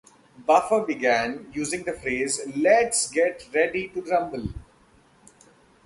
Buffer began using the phrase Let's get ready to rumble!